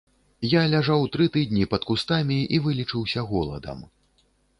Я ляжаў тры тыдні пад кустамі і вылечыўся голадам.